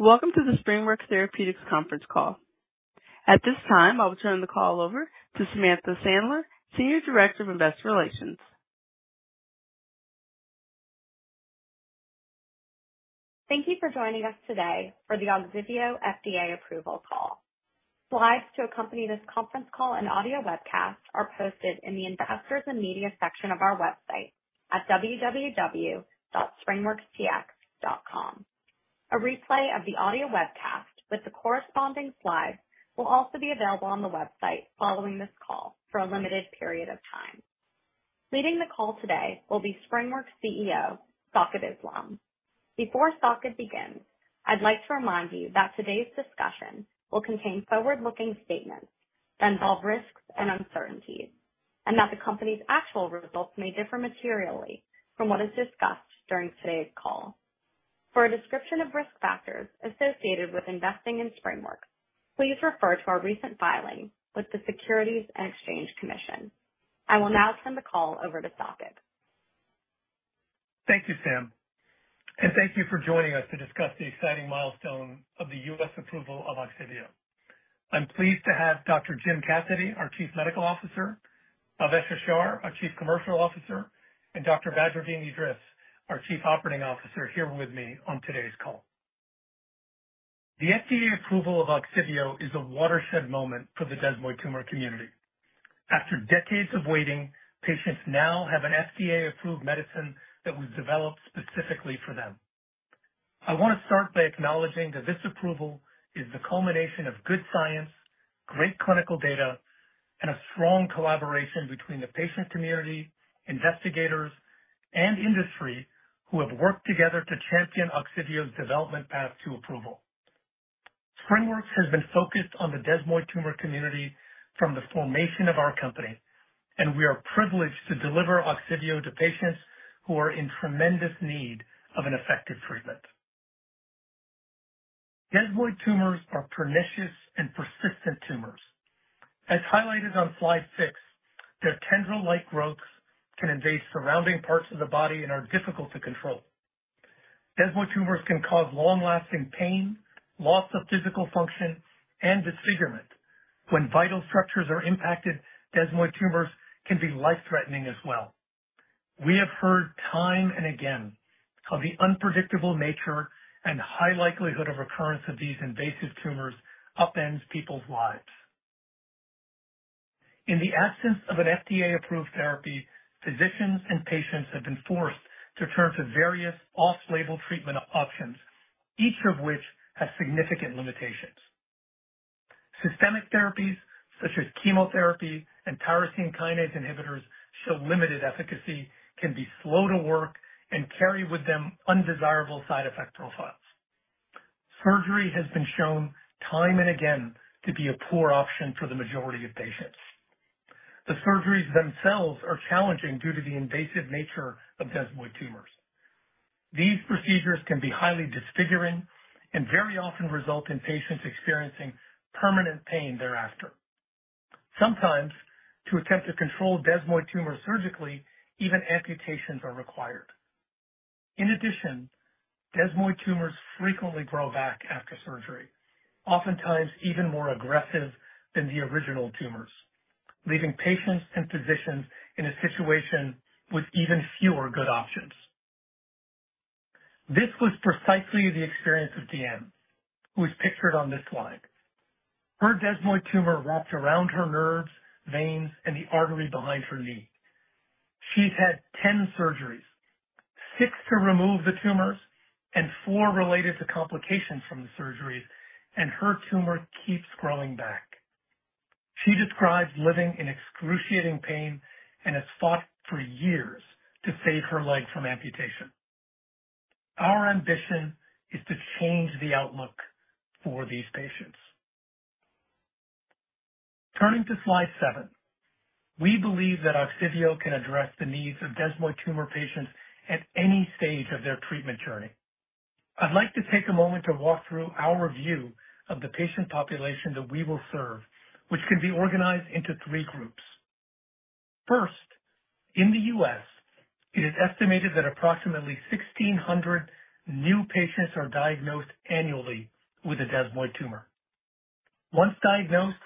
Welcome to the SpringWorks Therapeutics conference call. At this time, I will turn the call over to Samantha Sandler, Senior Director of Investor Relations. Thank you for joining us today for the OGSIVEO FDA approval call. Slides to accompany this conference call and audio webcast are posted in the Investors and Media section of our website at www.springworkstx.com. A replay of the audio webcast with the corresponding slides will also be available on the website following this call for a limited period of time. Leading the call today will be SpringWorks CEO, Saqib Islam. Before Saqib begins, I'd like to remind you that today's discussion will contain forward-looking statements that involve risks and uncertainties, and that the company's actual results may differ materially from what is discussed during today's call. For a description of risk factors associated with investing in SpringWorks, please refer to our recent filing with the Securities and Exchange Commission. I will now turn the call over to Saqib. Thank you, Sam, and thank you for joining us to discuss the exciting milestone of the U.S. approval of OGSIVEO. I'm pleased to have Dr. Jim Cassidy, our Chief Medical Officer, Bhavesh Ashar, our Chief Commercial Officer, and Dr. Badreddin Edris, our Chief Operating Officer, here with me on today's call. The FDA approval of OGSIVEO is a watershed moment for the desmoid tumor community. After decades of waiting, patients now have an FDA-approved medicine that was developed specifically for them. I want to start by acknowledging that this approval is the culmination of good science, great clinical data, and a strong collaboration between the patient community, investigators, and industry, who have worked together to champion OGSIVEO's development path to approval. SpringWorks has been focused on the desmoid tumor community from the formation of our company, and we are privileged to deliver OGSIVEO to patients who are in tremendous need of an effective treatment. Desmoid tumors are pernicious and persistent tumors. As highlighted on slide six, their tendril-like growths can invade surrounding parts of the body and are difficult to control. Desmoid tumors can cause long-lasting pain, loss of physical function, and disfigurement. When vital structures are impacted, desmoid tumors can be life-threatening as well. We have heard time and again how the unpredictable nature and high likelihood of recurrence of these invasive tumors upends people's lives. In the absence of an FDA-approved therapy, physicians and patients have been forced to turn to various off-label treatment options, each of which has significant limitations. Systemic therapies such as chemotherapy and tyrosine kinase inhibitors show limited efficacy, can be slow to work, and carry with them undesirable side effect profiles. Surgery has been shown time and again to be a poor option for the majority of patients. The surgeries themselves are challenging due to the invasive nature of desmoid tumors. These procedures can be highly disfiguring and very often result in patients experiencing permanent pain thereafter. Sometimes to attempt to control desmoid tumors surgically, even amputations are required. In addition, desmoid tumors frequently grow back after surgery, oftentimes even more aggressive than the original tumors, leaving patients and physicians in a situation with even fewer good options. This was precisely the experience of DeAnn, who is pictured on this slide. Her desmoid tumor wrapped around her nerves, veins, and the artery behind her knee. She's had 10 surgeries, six to remove the tumors and four related to complications from the surgeries, and her tumor keeps growing back. She describes living in excruciating pain and has fought for years to save her leg from amputation. Our ambition is to change the outlook for these patients. Turning to slide seven. We believe that OGSIVEO can address the needs of desmoid tumor patients at any stage of their treatment journey. I'd like to take a moment to walk through our view of the patient population that we will serve, which can be organized into three groups. First, in the US, it is estimated that approximately 1,600 new patients are diagnosed annually with a desmoid tumor. Once diagnosed,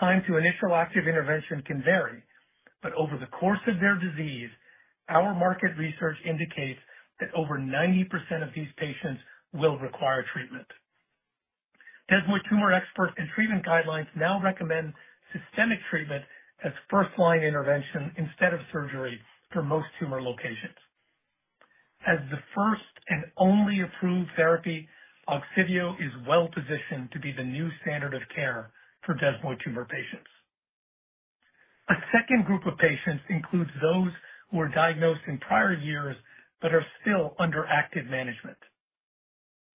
time to initial active intervention can vary, but over the course of their disease, our market research indicates that over 90% of these patients will require treatment. Desmoid tumor experts and treatment guidelines now recommend systemic treatment as first-line intervention instead of surgery for most tumor locations. As the first and only approved therapy, OGSIVEO is well-positioned to be the new standard of care for desmoid tumor patients. A second group of patients includes those who were diagnosed in prior years but are still under active management.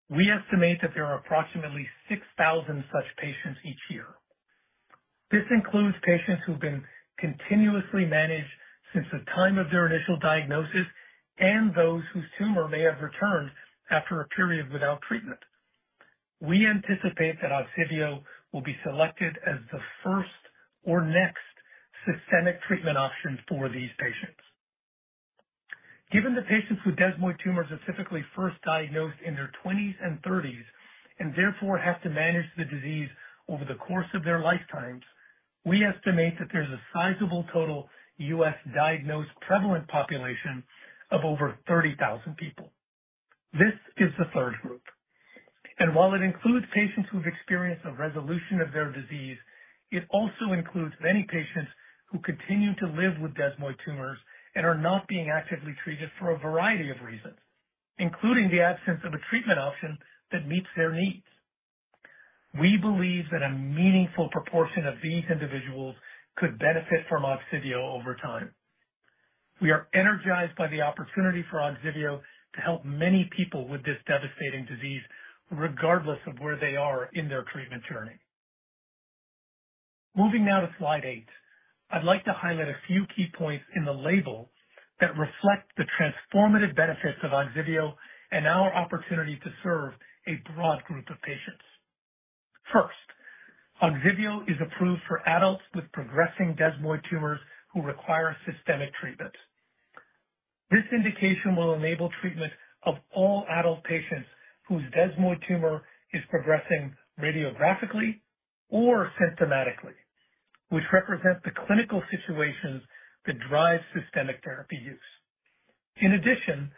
We estimate that there are approximately 6,000 such patients each year. This includes patients who've been continuously managed since the time of their initial diagnosis and those whose tumor may have returned after a period without treatment. We anticipate that OGSIVEO will be selected as the first or next systemic treatment option for these patients. Given that patients with desmoid tumors are typically first diagnosed in their twenties and thirties and therefore have to manage the disease over the course of their lifetimes, we estimate that there's a sizable total US diagnosed prevalent population of over 30,000 people. This is the third group, and while it includes patients who've experienced a resolution of their disease, it also includes many patients who continue to live with desmoid tumors and are not being actively treated for a variety of reasons, including the absence of a treatment option that meets their needs. We believe that a meaningful proportion of these individuals could benefit from OGSIVEO over time. We are energized by the opportunity for OGSIVEO to help many people with this devastating disease, regardless of where they are in their treatment journey. Moving now to slide eight. I'd like to highlight a few key points in the label that reflect the transformative benefits of OGSIVEO and our opportunity to serve a broad group of patients. First, OGSIVEO is approved for adults with progressing desmoid tumors who require systemic treatment. This indication will enable treatment of all adult patients whose desmoid tumor is progressing radiographically or symptomatically, which represents the clinical situations that drive systemic therapy use. In addition,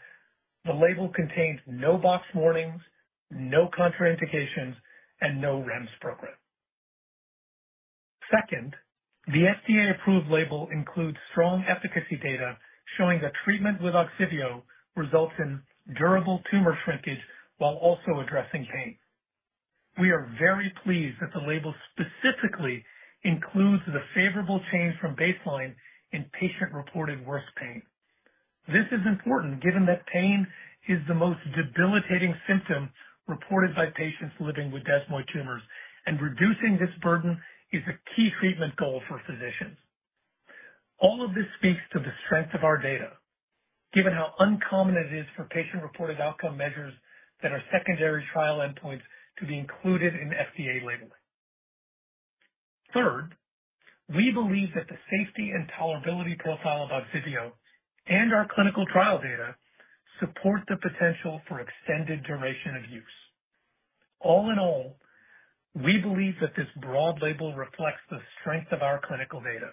the label contains no box warnings, no contraindications, and no REMS program. Second, the FDA-approved label includes strong efficacy data showing that treatment with OGSIVEO results in durable tumor shrinkage while also addressing pain. We are very pleased that the label specifically includes the favorable change from baseline in patient-reported worse pain. This is important given that pain is the most debilitating symptom reported by patients living with desmoid tumors, and reducing this burden is a key treatment goal for physicians. All of this speaks to the strength of our data, given how uncommon it is for patient-reported outcome measures that are secondary trial endpoints to be included in FDA labeling. Third, we believe that the safety and tolerability profile of OGSIVEO and our clinical trial data support the potential for extended duration of use. All in all, we believe that this broad label reflects the strength of our clinical data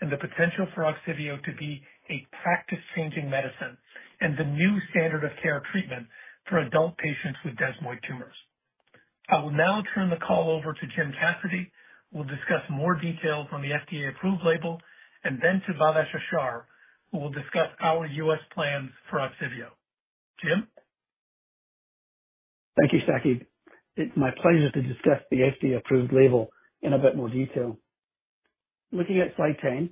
and the potential for OGSIVEO to be a practice-changing medicine and the new standard of care treatment for adult patients with desmoid tumors. I will now turn the call over to Jim Cassidy, who will discuss more details on the FDA-approved label, and then to Bhavesh Ashar, who will discuss our US plans for OGSIVEO. Jim? Thank you, Saqib. It's my pleasure to discuss the FDA-approved label in a bit more detail. Looking at slide 10,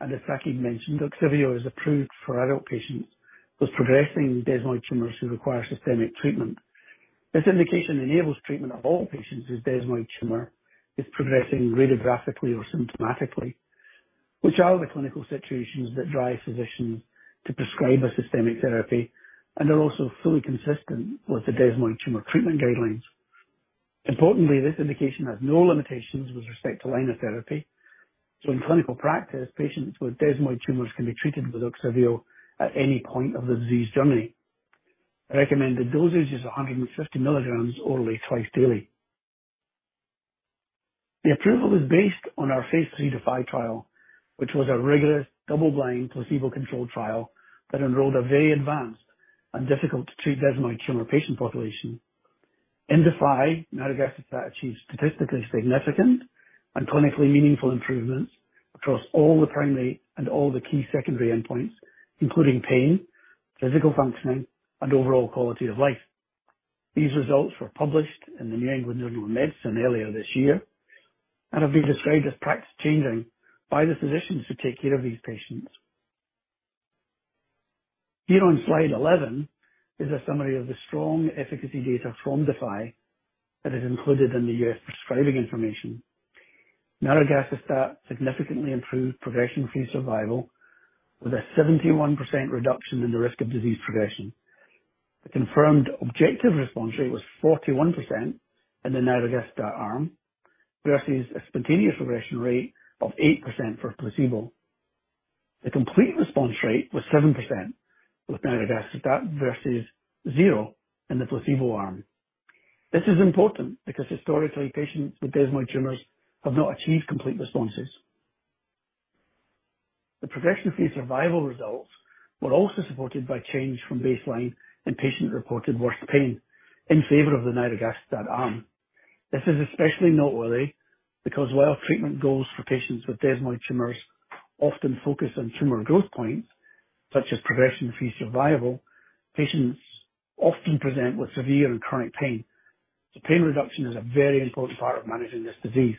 and as Saqib mentioned, OGSIVEO is approved for adult patients with progressing desmoid tumors who require systemic treatment. This indication enables treatment of all patients with desmoid tumor, is progressing radiographically or symptomatically, which are the clinical situations that drive physicians to prescribe a systemic therapy and are also fully consistent with the desmoid tumor treatment guidelines. Importantly, this indication has no limitations with respect to line of therapy. So in clinical practice, patients with desmoid tumors can be treated with OGSIVEO at any point of the disease journey. The recommended dosage is 150 mg orally, twice daily. The approval is based on our phase III DeFi trial, which was a rigorous, double-blind, placebo-controlled trial that enrolled a very advanced and difficult to treat desmoid tumor patient population. In DeFi, nirogacestat achieved statistically significant and clinically meaningful improvements across all the primary and all the key secondary endpoints, including pain, physical functioning, and overall quality of life. These results were published in The New England Journal of Medicine earlier this year and have been described as practice-changing by the physicians who take care of these patients. Here on slide 11 is a summary of the strong efficacy data from DeFi that is included in the U.S. prescribing information. Nirogacestat significantly improved progression-free survival, with a 71% reduction in the risk of disease progression. The confirmed objective response rate was 41% in the nirogacestat arm, versus a spontaneous regression rate of 8% for placebo. The complete response rate was 7%, with nirogacestat versus zero in the placebo arm. This is important because historically, patients with desmoid tumors have not achieved complete responses. The progression-free survival results were also supported by change from baseline and patient-reported worse pain in favor of the nirogacestat arm. This is especially noteworthy because while treatment goals for patients with desmoid tumors often focus on tumor growth points, such as progression-free survival, patients often present with severe and chronic pain. Pain reduction is a very important part of managing this disease.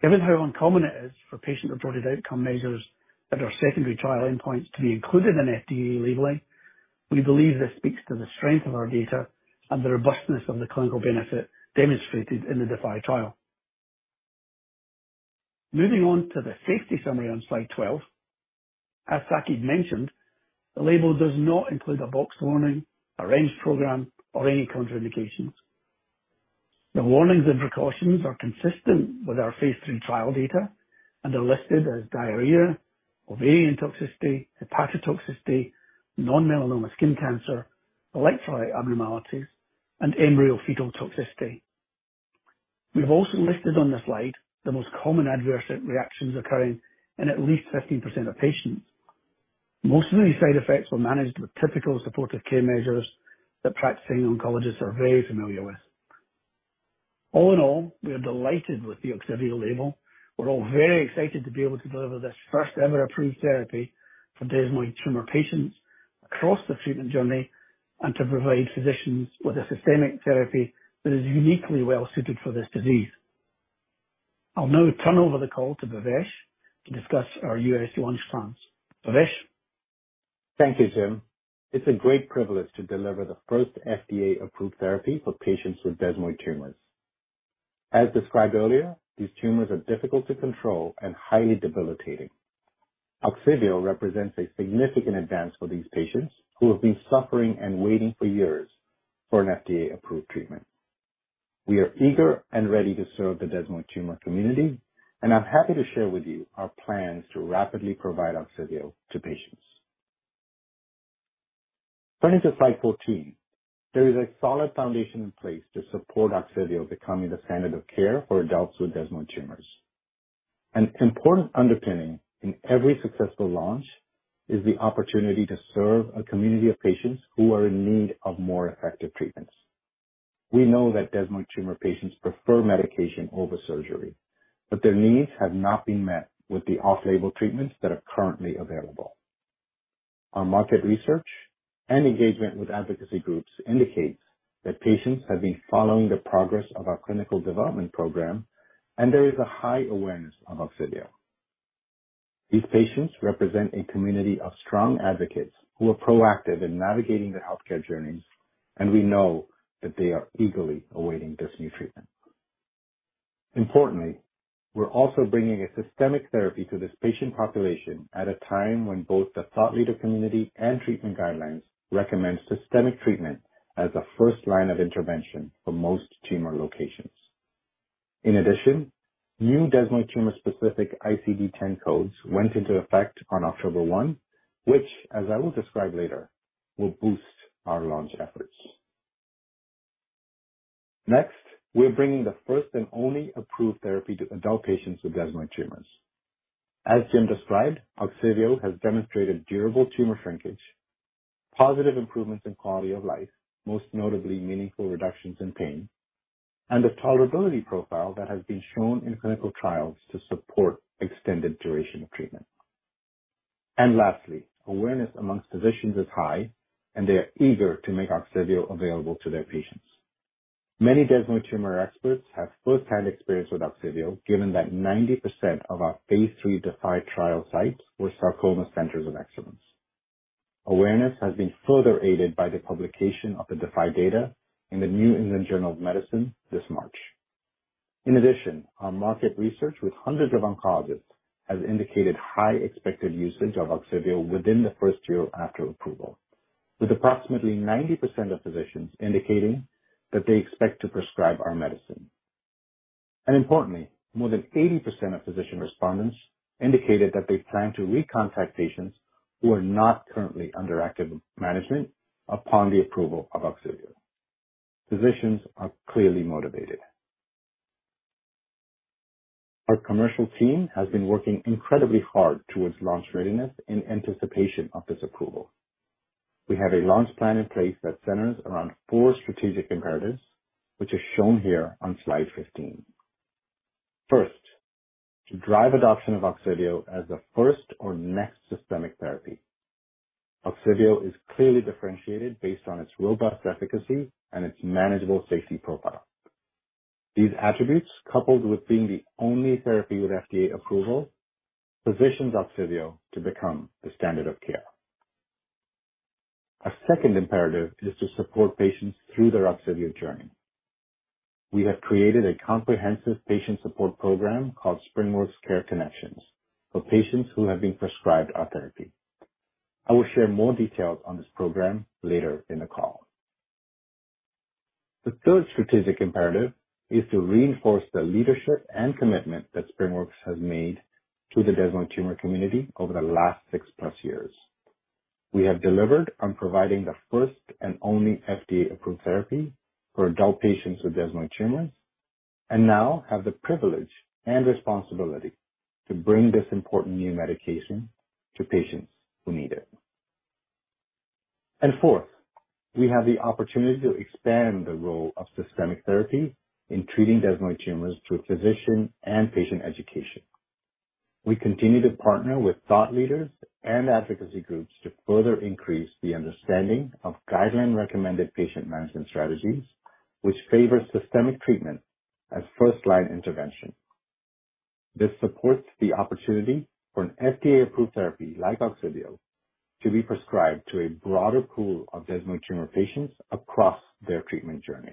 Given how uncommon it is for patient-reported outcome measures that are secondary trial endpoints to be included in FDA labeling, we believe this speaks to the strength of our data and the robustness of the clinical benefit demonstrated in the DeFi trial. Moving on to the safety summary on slide 12. As Saqib mentioned, the label does not include a box warning, a REMS program, or any contraindications... The warnings and precautions are consistent with our phase III trial data and are listed as diarrhea, ovarian toxicity, hepatotoxicity, non-melanoma skin cancer, electrolyte abnormalities, and embryo-fetal toxicity. We've also listed on the slide the most common adverse reactions occurring in at least 15% of patients. Most of these side effects were managed with typical supportive care measures that practicing oncologists are very familiar with. All in all, we are delighted with the OGSIVEO label. We're all very excited to be able to deliver this first-ever approved therapy for desmoid tumor patients across the treatment journey, and to provide physicians with a systemic therapy that is uniquely well-suited for this disease. I'll now turn over the call to Bhavesh to discuss our US launch plans. Bhavesh? Thank you, Jim. It's a great privilege to deliver the first FDA-approved therapy for patients with desmoid tumors. As described earlier, these tumors are difficult to control and highly debilitating. OGSIVEO represents a significant advance for these patients, who have been suffering and waiting for years for an FDA-approved treatment. We are eager and ready to serve the desmoid tumor community, and I'm happy to share with you our plans to rapidly provide OGSIVEO to patients. Turning to slide 14, there is a solid foundation in place to support OGSIVEO becoming the standard of care for adults with desmoid tumors. An important underpinning in every successful launch is the opportunity to serve a community of patients who are in need of more effective treatments. We know that desmoid tumor patients prefer medication over surgery, but their needs have not been met with the off-label treatments that are currently available. Our market research and engagement with advocacy groups indicates that patients have been following the progress of our clinical development program, and there is a high awareness of OGSIVEO. These patients represent a community of strong advocates who are proactive in navigating their healthcare journeys, and we know that they are eagerly awaiting this new treatment. Importantly, we're also bringing a systemic therapy to this patient population at a time when both the thought leader community and treatment guidelines recommend systemic treatment as a first line of intervention for most tumor locations. In addition, new desmoid tumor-specific ICD-10 codes went into effect on October 1, which, as I will describe later, will boost our launch efforts. Next, we're bringing the first and only approved therapy to adult patients with desmoid tumors. As Jim described, OGSIVEO has demonstrated durable tumor shrinkage, positive improvements in quality of life, most notably meaningful reductions in pain, and a tolerability profile that has been shown in clinical trials to support extended duration of treatment. Lastly, awareness among physicians is high, and they are eager to make OGSIVEO available to their patients. Many desmoid tumor experts have firsthand experience with OGSIVEO, given that 90% of our phase III DeFi trial sites were sarcoma centers of excellence. Awareness has been further aided by the publication of the DeFi data in the New England Journal of Medicine this March. In addition, our market research with hundreds of oncologists has indicated high expected usage of OGSIVEO within the first year after approval, with approximately 90% of physicians indicating that they expect to prescribe our medicine. Importantly, more than 80% of physician respondents indicated that they plan to recontact patients who are not currently under active management upon the approval of OGSIVEO. Physicians are clearly motivated. Our commercial team has been working incredibly hard towards launch readiness in anticipation of this approval. We have a launch plan in place that centers around four strategic imperatives, which are shown here on slide 15. First, to drive adoption of OGSIVEO as the first or next systemic therapy. OGSIVEO is clearly differentiated based on its robust efficacy and its manageable safety profile. These attributes, coupled with being the only therapy with FDA approval, positions OGSIVEO to become the standard of care. A second imperative is to support patients through their OGSIVEO journey. We have created a comprehensive patient support program called SpringWorks CareConnections for patients who have been prescribed our therapy. I will share more details on this program later in the call. The third strategic imperative is to reinforce the leadership and commitment that SpringWorks has made to the desmoid tumor community over the last 6+ years. We have delivered on providing the first and only FDA-approved therapy for adult patients with desmoid tumors, and now have the privilege and responsibility to bring this important new medication to patients who need it. And fourth, we have the opportunity to expand the role of systemic therapy in treating desmoid tumors through physician and patient education. We continue to partner with thought leaders and advocacy groups to further increase the understanding of guideline-recommended patient management strategies, which favor systemic treatment as first-line intervention. This supports the opportunity for an FDA-approved therapy, like OGSIVEO, to be prescribed to a broader pool of desmoid tumor patients across their treatment journey.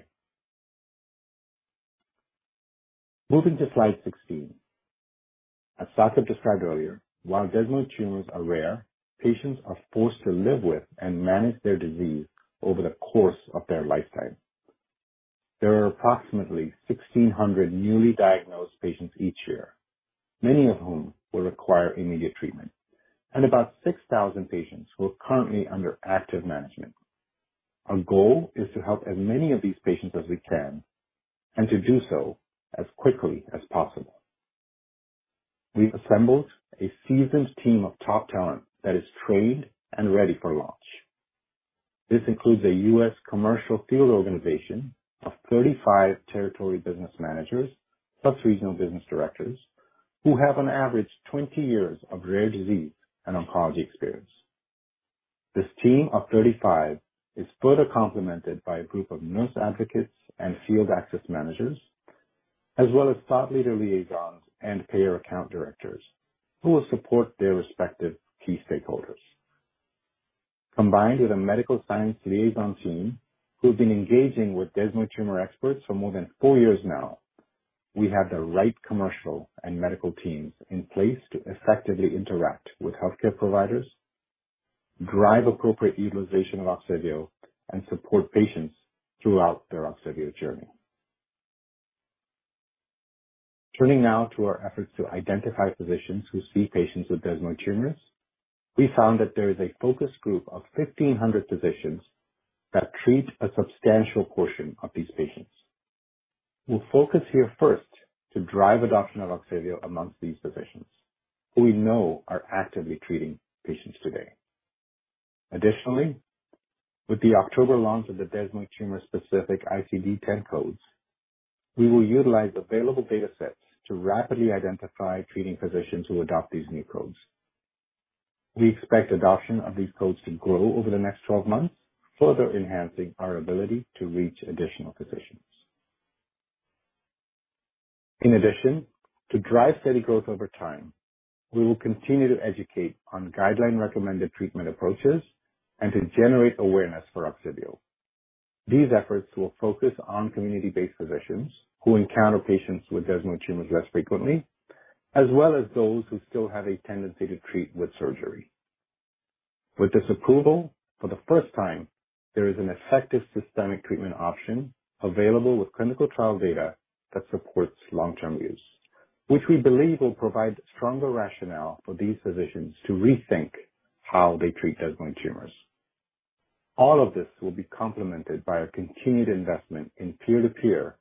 Moving to slide 16. As Saqib described earlier, while desmoid tumors are rare, patients are forced to live with and manage their disease over the course of their lifetime. There are approximately 1,600 newly diagnosed patients each year, many of whom will require immediate treatment, and about 6,000 patients who are currently under active management. Our goal is to help as many of these patients as we can and to do so as quickly as possible. We've assembled a seasoned team of top talent that is trained and ready for launch. This includes a US commercial field organization of 35 territory business managers, plus regional business directors, who have an average 20 years of rare disease and oncology experience. This team of 35 is further complemented by a group of nurse advocates and field access managers, as well as thought leader liaisons and payer account directors who will support their respective key stakeholders. Combined with a medical science liaison team who have been engaging with desmoid tumor experts for more than four years now, we have the right commercial and medical teams in place to effectively interact with healthcare providers, drive appropriate utilization of OGSIVEO, and support patients throughout their OGSIVEO journey. Turning now to our efforts to identify physicians who see patients with desmoid tumors, we found that there is a focus group of 1,500 physicians that treat a substantial portion of these patients. We'll focus here first to drive adoption of OGSIVEO amongst these physicians, who we know are actively treating patients today. Additionally, with the October launch of the desmoid tumor-specific ICD-10 codes, we will utilize available data sets to rapidly identify treating physicians who adopt these new codes. We expect adoption of these codes to grow over the next 12 months, further enhancing our ability to reach additional physicians. In addition, to drive steady growth over time, we will continue to educate on guideline-recommended treatment approaches and to generate awareness for OGSIVEO. These efforts will focus on community-based physicians who encounter patients with desmoid tumors less frequently, as well as those who still have a tendency to treat with surgery. With this approval, for the first time, there is an effective systemic treatment option available with clinical trial data that supports long-term use, which we believe will provide stronger rationale for these physicians to rethink how they treat desmoid tumors. All of this will be complemented by a continued investment in peer-to-peer,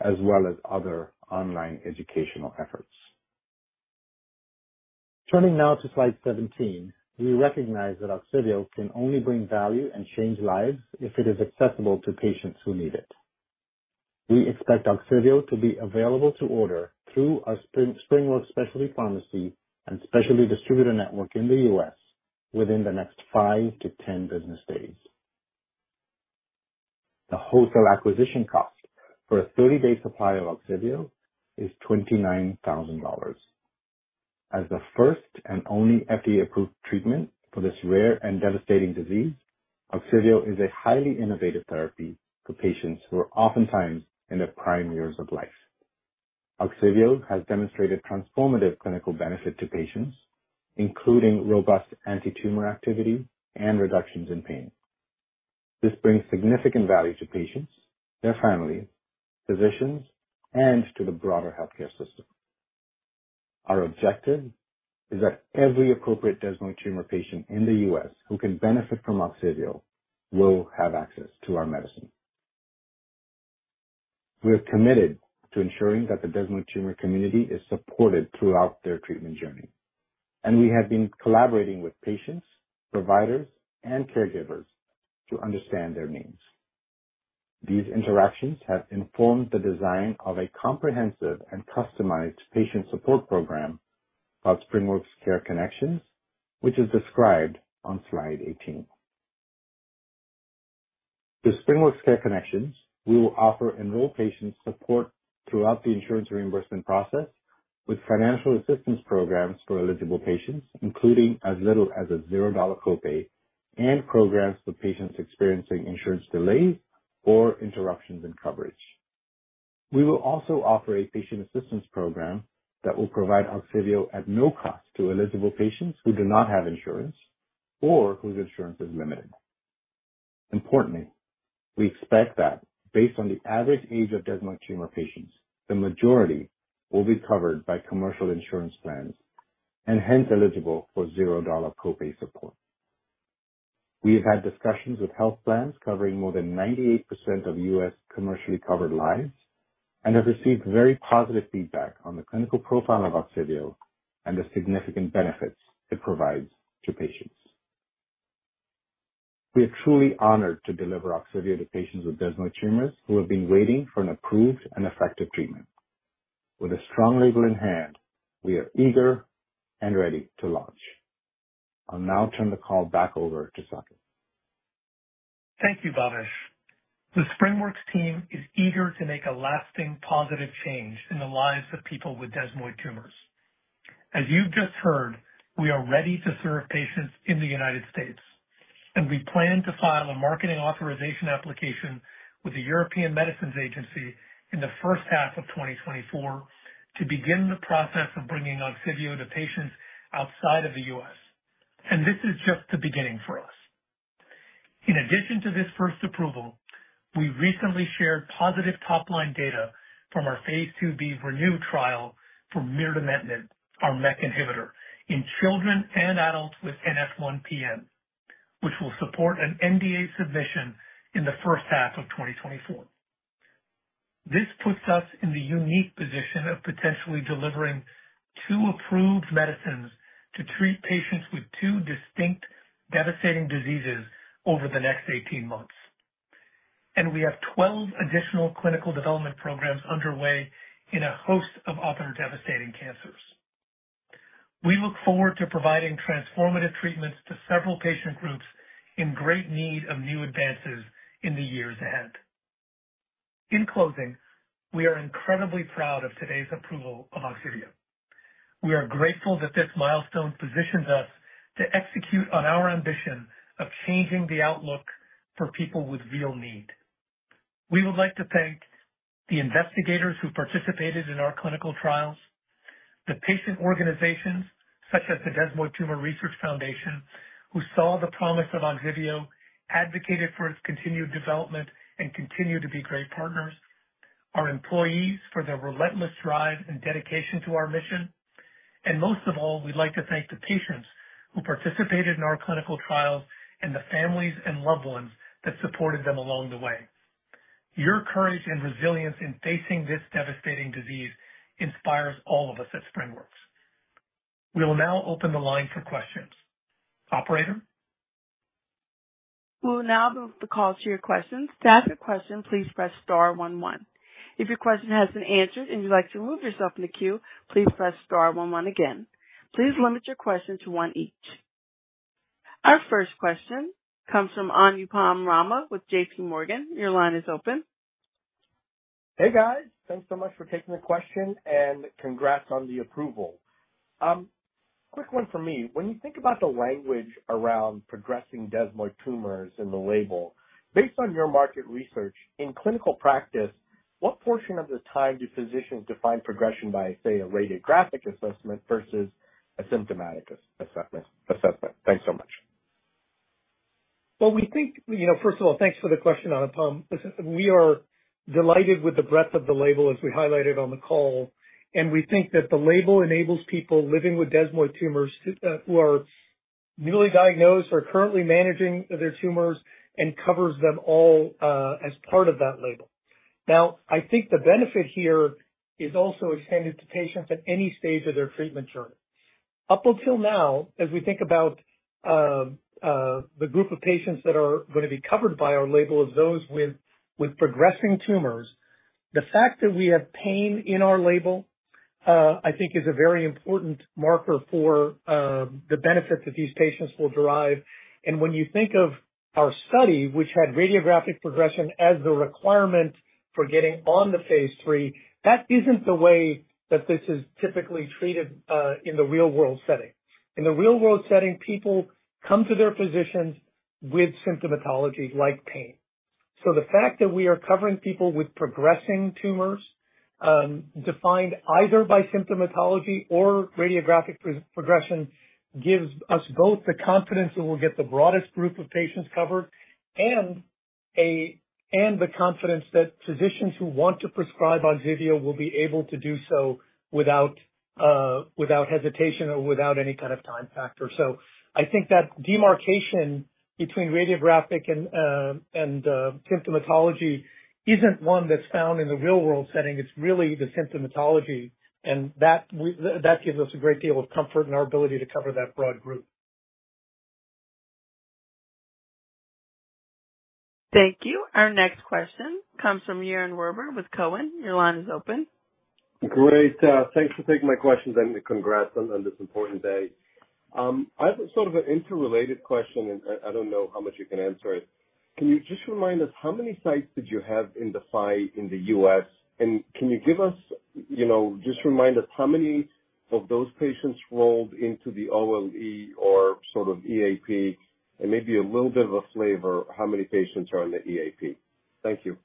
as well as other online educational efforts. Turning now to slide 17. We recognize that OGSIVEO can only bring value and change lives if it is accessible to patients who need it. We expect OGSIVEO to be available to order through our SpringWorks Specialty Pharmacy and Specialty Distributor network in the U.S. within the next five-10 business days. The wholesale acquisition cost for a 30-day supply of OGSIVEO is $29,000. As the first and only FDA-approved treatment for this rare and devastating disease, OGSIVEO is a highly innovative therapy for patients who are oftentimes in their prime years of life. OGSIVEO has demonstrated transformative clinical benefit to patients, including robust antitumor activity and reductions in pain. This brings significant value to patients, their families, physicians, and to the broader healthcare system. Our objective is that every appropriate desmoid tumor patient in the U.S. who can benefit from OGSIVEO will have access to our medicine. We are committed to ensuring that the desmoid tumor community is supported throughout their treatment journey, and we have been collaborating with patients, providers, and caregivers to understand their needs. These interactions have informed the design of a comprehensive and customized patient support program, called SpringWorks Care Connections, which is described on slide 18. With SpringWorks Care Connections, we will offer enrolled patients support throughout the insurance reimbursement process with financial assistance programs for eligible patients, including as little as a zero dollar copay, and programs for patients experiencing insurance delays or interruptions in coverage. We will also offer a patient assistance program that will provide OGSIVEO at no cost to eligible patients who do not have insurance or whose insurance is limited. Importantly, we expect that based on the average age of desmoid tumor patients, the majority will be covered by commercial insurance plans and hence eligible for $0 copay support. We have had discussions with health plans covering more than 98% of U.S. commercially covered lives and have received very positive feedback on the clinical profile of OGSIVEO and the significant benefits it provides to patients. We are truly honored to deliver OGSIVEO to patients with desmoid tumors who have been waiting for an approved and effective treatment. With a strong label in hand, we are eager and ready to launch. I'll now turn the call back over to Saqib. Thank you, Bhavesh. The SpringWorks team is eager to make a lasting, positive change in the lives of people with desmoid tumors.... As you've just heard, we are ready to serve patients in the United States, and we plan to file a marketing authorization application with the European Medicines Agency in the first half of 2024, to begin the process of bringing OGSIVEO to patients outside of the US. This is just the beginning for us. In addition to this first approval, we recently shared positive top-line data from our phase 2b ReNeu trial for mirdametinib, our MEK inhibitor, in children and adults with NF1-PN, which will support an NDA submission in the first half of 2024. This puts us in the unique position of potentially delivering two approved medicines to treat patients with two distinct devastating diseases over the next 18 months. We have 12 additional clinical development programs underway in a host of other devastating cancers. We look forward to providing transformative treatments to several patient groups in great need of new advances in the years ahead. In closing, we are incredibly proud of today's approval of OGSIVEO. We are grateful that this milestone positions us to execute on our ambition of changing the outlook for people with real need. We would like to thank the investigators who participated in our clinical trials, the patient organizations such as the Desmoid Tumor Research Foundation, who saw the promise of OGSIVEO, advocated for its continued development, and continue to be great partners, our employees for their relentless drive and dedication to our mission. Most of all, we'd like to thank the patients who participated in our clinical trials, and the families and loved ones that supported them along the way. Your courage and resilience in facing this devastating disease inspires all of us at SpringWorks. We will now open the line for questions. Operator? We'll now move the call to your questions. To ask a question, please press star one one. If your question has been answered and you'd like to remove yourself from the queue, please press star one one again. Please limit your questions to one each. Our first question comes from Anupam Rama with JP Morgan. Your line is open. Hey, guys! Thanks so much for taking the question, and congrats on the approval. Quick one for me. When you think about the language around progressing desmoid tumors in the label, based on your market research, in clinical practice, what portion of the time do physicians define progression by, say, a radiographic assessment versus a symptomatic assessment? Thanks so much. Well, we think. You know, first of all, thanks for the question, Anupam. Listen, we are delighted with the breadth of the label as we highlighted on the call, and we think that the label enables people living with desmoid tumors to who are newly diagnosed or currently managing their tumors, and covers them all as part of that label. Now, I think the benefit here is also extended to patients at any stage of their treatment journey. Up until now, as we think about the group of patients that are going to be covered by our label, as those with progressing tumors, the fact that we have pain in our label I think is a very important marker for the benefit that these patients will derive. When you think of our study, which had radiographic progression as the requirement for getting on to phase 3, that isn't the way that this is typically treated in the real-world setting. In the real-world setting, people come to their physicians with symptomatology like pain. So the fact that we are covering people with progressing tumors, defined either by symptomatology or radiographic progression, gives us both the confidence that we'll get the broadest group of patients covered and the confidence that physicians who want to prescribe OGSIVEO will be able to do so without hesitation or without any kind of time factor. So I think that demarcation between radiographic and symptomatology isn't one that's found in the real-world setting. It's really the symptomatology, and that we, that gives us a great deal of comfort in our ability to cover that broad group. Thank you. Our next question comes from Yaron Werber with Cowen. Your line is open. Great! Thanks for taking my questions, and congrats on this important day. I have a sort of an interrelated question, and I don't know how much you can answer it. Can you just remind us how many sites did you have in DeFi in the U.S.? And can you give us, you know, just remind us how many of those patients rolled into the OLE or sort of EAP, and maybe a little bit of a flavor, how many patients are on the EAP? Thank you.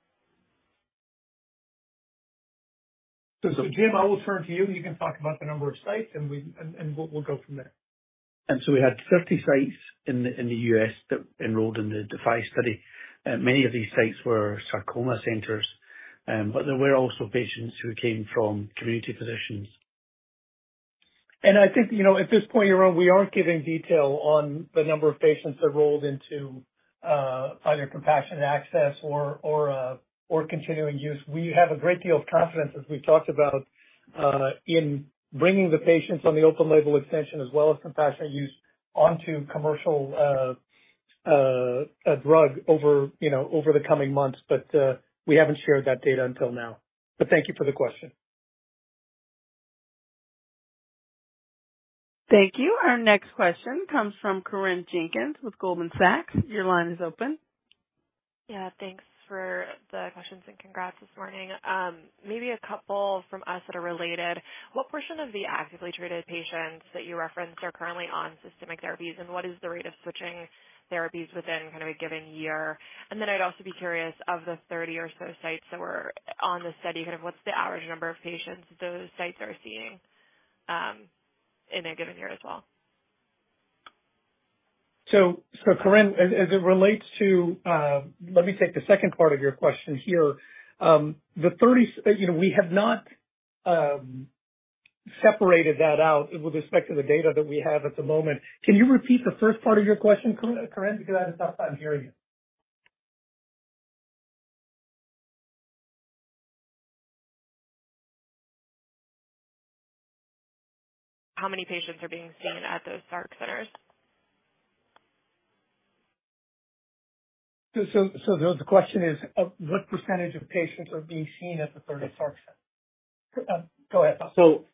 So, Jim, I will turn to you, and you can talk about the number of sites, and we'll go from there. So we had 30 sites in the U.S. that enrolled in the DeFi study. Many of these sites were sarcoma centers, but there were also patients who came from community physicians. I think, you know, at this point, Yaron, we aren't giving detail on the number of patients that rolled into either compassionate access or continuing use. We have a great deal of confidence, as we've talked about, in bringing the patients on the open label extension as well as compassionate use onto commercial a drug over, you know, over the coming months, but we haven't shared that data until now. But thank you for the question. Thank you. Our next question comes from Corinne Jenkins with Goldman Sachs. Your line is open. Yeah, thanks for the questions, and congrats this morning. Maybe a couple from us that are related. What portion of the actively treated patients that you referenced are currently on systemic therapies, and what is the rate of switching therapies within kind of a given year? And then I'd also be curious, of the 30 or so sites that were on the study, kind of what's the average number of patients those sites are seeing in a given year as well? So, Corinne, as it relates to let me take the second part of your question here. The 30, you know, we have not separated that out with respect to the data that we have at the moment. Can you repeat the first part of your question, Corinne? Because I had a tough time hearing you. How many patients are being seen at those sarc centers? So the question is, of what percentage of patients are being seen at the third sarc center? Go ahead, Bhavesh. So,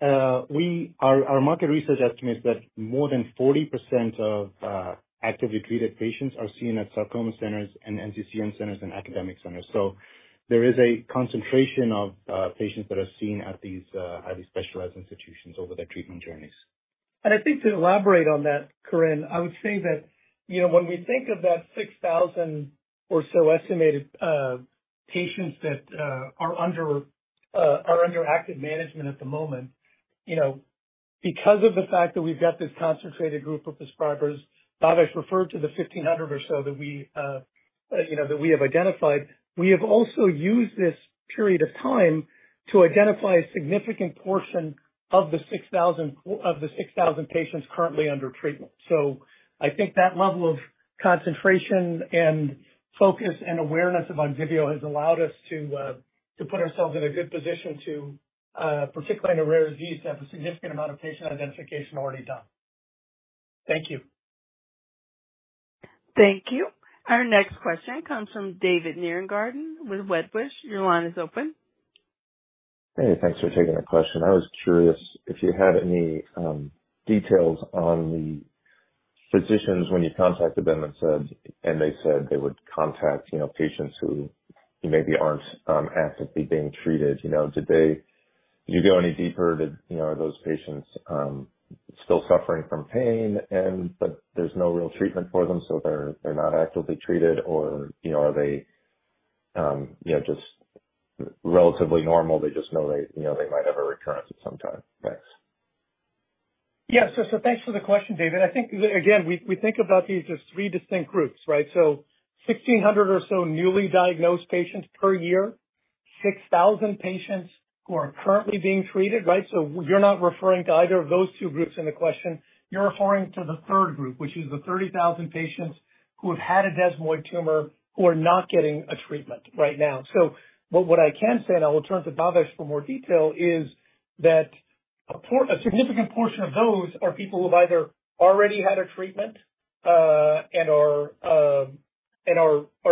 our market research estimates that more than 40% of actively treated patients are seen at sarcoma centers and NCCN centers and academic centers. So there is a concentration of patients that are seen at these highly specialized institutions over their treatment journeys. I think to elaborate on that, Corinne, I would say that, you know, when we think of that 6,000 or so estimated patients that are under active management at the moment, you know, because of the fact that we've got this concentrated group of prescribers, Bhavesh referred to the 1,500 or so that we, you know, that we have identified. We have also used this period of time to identify a significant portion of the 6,000 of the 6,000 patients currently under treatment. So, I think that level of concentration and focus and awareness of OGSIVEO has allowed us to put ourselves in a good position to, particularly in a rare disease, to have a significant amount of patient identification already done. Thank you. Thank you. Our next question comes from David Nierengarten with Wedbush. Your line is open. Hey, thanks for taking my question. I was curious if you had any details on the physicians when you contacted them and said, and they said they would contact, you know, patients who maybe aren't actively being treated. You know, did they, did you go any deeper? Did you know, are those patients still suffering from pain, but there's no real treatment for them, so they're not actively treated or, you know, are they, you know, just relatively normal? They just know they, you know, they might have a recurrence at some time. Thanks. Yeah. So, thanks for the question, David. I think, again, we think about these as three distinct groups, right? So, 1,600 or so newly diagnosed patients per year, 6,000 patients who are currently being treated, right? So, you're not referring to either of those two groups in the question, you're referring to the third group, which is the 30,000 patients who have had a desmoid tumor, who are not getting a treatment right now. So what I can say, and I will turn to Bhavesh for more detail, is that a significant portion of those are people who have either already had a treatment, and are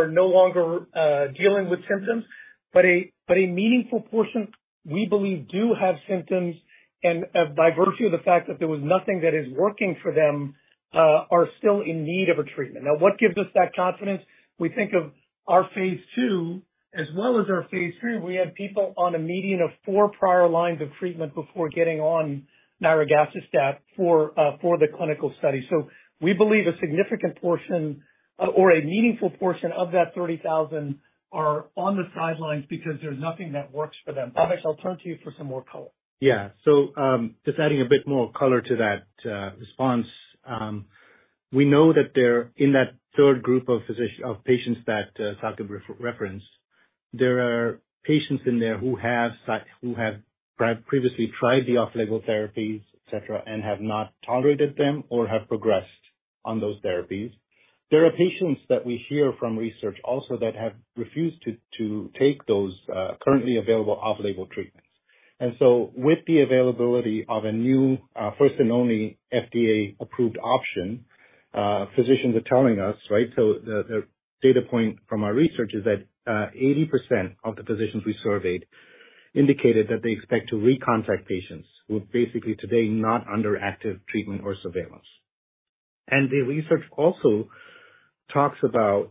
no longer dealing with symptoms, but a meaningful portion, we believe, do have symptoms and, by virtue of the fact that there was nothing that is working for them, are still in need of a treatment. Now, what gives us that confidence? We think of our phase 2 as well as our phase 3. We had people on a median of 4 prior lines of treatment before getting on nirogacestat for the clinical study. So we believe a significant portion, or a meaningful portion of that 30,000 are on the sidelines because there's nothing that works for them. Bhavesh, I'll turn to you for some more color. Yeah. So, just adding a bit more color to that response. We know that there, in that third group of physicians- of patients that Saqib referenced, there are patients in there who have previously tried the off-label therapies, et cetera, and have not tolerated them or have progressed on those therapies. There are patients that we hear from research also that have refused to take those currently available off-label treatments. And so with the availability of a new first and only FDA-approved option, physicians are telling us, right? So the data point from our research is that 80% of the physicians we surveyed indicated that they expect to recontact patients who basically today, not under active treatment or surveillance. The research also talks about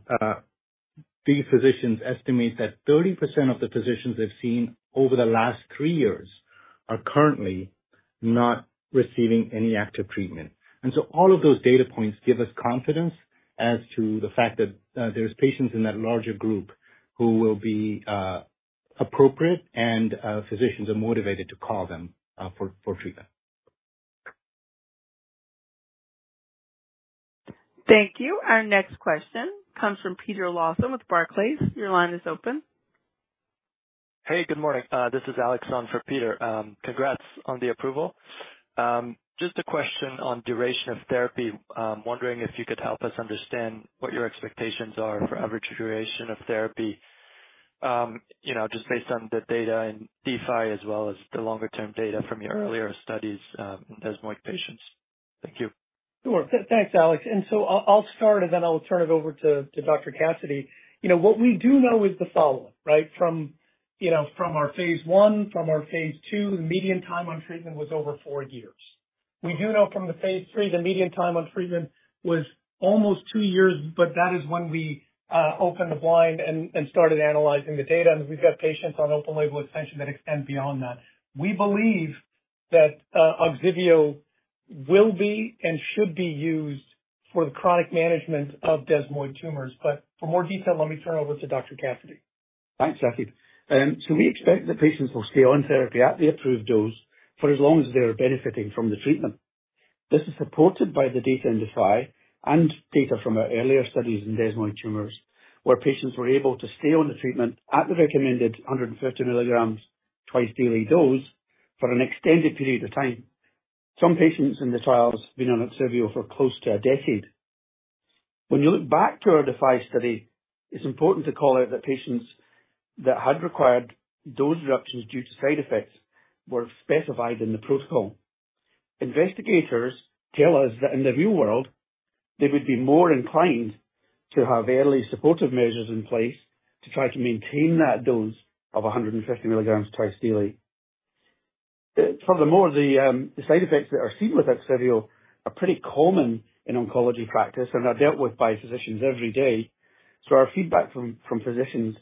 these physicians estimate that 30% of the patients they've seen over the last 3 years are currently not receiving any active treatment. So all of those data points give us confidence as to the fact that there's patients in that larger group who will be appropriate, and physicians are motivated to call them for treatment. Thank you. Our next question comes from Alex with Barclays. Your line is open. Hey, good morning. This is Alex on for Peter. Congrats on the approval. Just a question on duration of therapy. Wondering if you could help us understand what your expectations are for average duration of therapy, you know, just based on the data and DeFi, as well as the longer-term data from your earlier studies, in desmoid patients. Thank you. Sure. Thanks, Alex. And so I'll start, and then I'll turn it over to Dr. Cassidy. You know, what we do know is the following, right? From you know, from our phase 1, from our phase 2, the median time on treatment was over 4 years. We do know from the phase 3, the median time on treatment was almost 2 years, but that is when we opened the blind and started analyzing the data. And we've got patients on open-label extension that extend beyond that. We believe that OGSIVEO will be and should be used for the chronic management of desmoid tumors. But for more detail, let me turn it over to Dr. Cassidy. Thanks, Saqib. So, we expect that patients will stay on therapy at the approved dose for as long as they are benefiting from the treatment. This is supported by the data in DeFi and data from our earlier studies in desmoid tumors, where patients were able to stay on the treatment at the recommended 150 milligrams twice daily dose for an extended period of time. Some patients in the trials have been on OGSIVEO for close to a decade. When you look back to our DeFi study, it's important to call out that patients that had required dose reductions due to side effects were specified in the protocol. Investigators tell us that in the real world, they would be more inclined to have early supportive measures in place to try to maintain that dose of 150 milligrams twice daily. Furthermore, the side effects that are seen with OGSIVEO are pretty common in oncology practice and are dealt with by physicians every day. So our feedback from physicians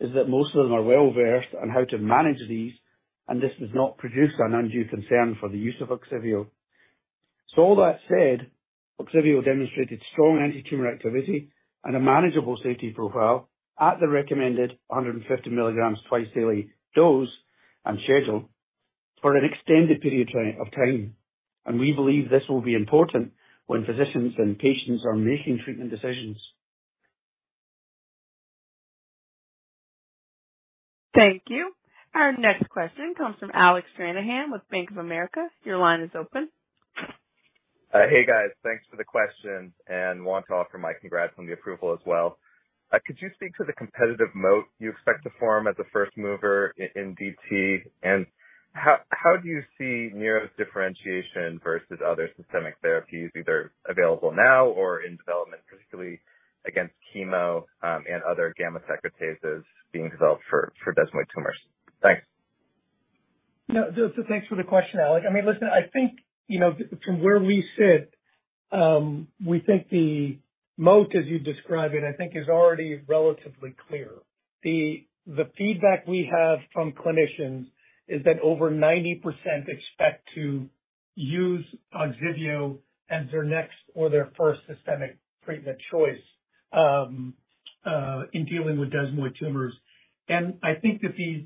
is that most of them are well-versed on how to manage these, and this does not produce an undue concern for the use of OGSIVEO. So all that said, OGSIVEO demonstrated strong antitumor activity and a manageable safety profile at the recommended 150 milligrams twice daily dose and schedule for an extended period of time. And we believe this will be important when physicians and patients are making treatment decisions. Thank you. Our next question comes from Alec Stranahan with Bank of America. Your line is open. Hey, guys. Thanks for the questions and want to offer my congrats on the approval as well. Could you speak to the competitive moat you expect to form as a first mover in DT? And how do you see Niro's differentiation versus other systemic therapies, either available now or in development, particularly against chemo, and other gamma secretases being developed for desmoid tumors? Thanks. No, just so thanks for the question, Alex. I mean, listen, I think, you know, from where we sit, we think the moat, as you describe it, I think is already relatively clear. The, the feedback we have from clinicians is that over 90% expect to use OGSIVEO as their next or their first systemic treatment choice, in dealing with desmoid tumors. And I think that the,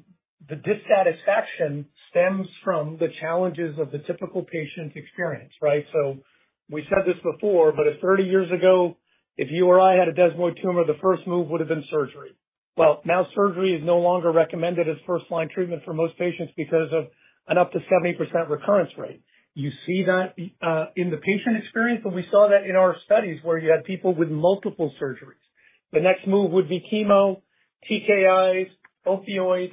the dissatisfaction stems from the challenges of the typical patient experience, right? So we said this before, but if 30 years ago, if you or I had a desmoid tumor, the first move would have been surgery. Well, now surgery is no longer recommended as first-line treatment for most patients because of an up to 70% recurrence rate. You see that in the patient experience, but we saw that in our studies where you had people with multiple surgeries. The next move would be chemo, TKIs, opioids.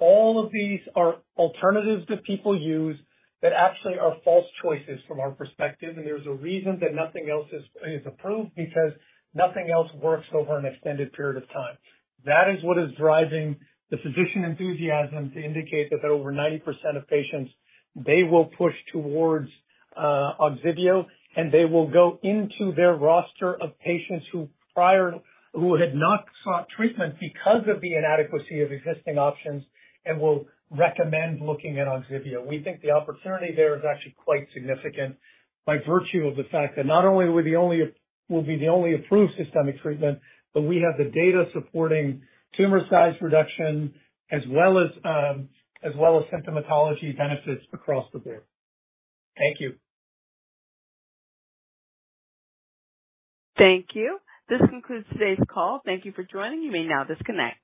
All of these are alternatives that people use that actually are false choices from our perspective. And there's a reason that nothing else is approved, because nothing else works over an extended period of time. That is what is driving the physician enthusiasm to indicate that over 90% of patients, they will push towards OGSIVEO, and they will go into their roster of patients who had not sought treatment because of the inadequacy of existing options and will recommend looking at OGSIVEO. We think the opportunity there is actually quite significant by virtue of the fact that not only we'll be the only approved systemic treatment, but we have the data supporting tumor size reduction, as well as, as well as symptomatology benefits across the board. Thank you. Thank you. This concludes today's call. Thank you for joining. You may now disconnect.